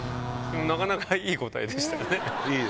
なかなかいい答えでしたね。